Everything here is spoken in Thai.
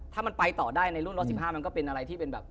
ถ้ามันไปต่อได้ในรุ่น๑๑๕มันก็เป็นอะไรที่เป็นแบบ